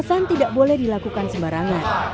kekerasan tidak boleh dilakukan sembarangan